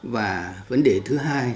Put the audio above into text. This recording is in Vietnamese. và vấn đề thứ hai